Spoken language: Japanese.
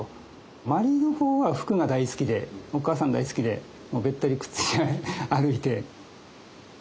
まりの方はふくが大好きでお母さん大好きでべったりくっついて歩いて。